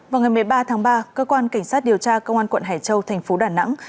vào ngày một mươi ba tháng ba cơ quan cảnh sát điều tra công an quận hải châu thành phố đà nẵng